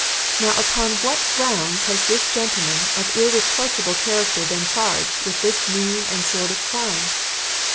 Now upon what grounds has this gentleman of irreproachable character been charged with this mean and sordid crime?